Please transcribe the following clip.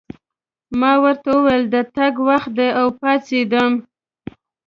ما ورته وویل: د تګ وخت دی، او پاڅېدم.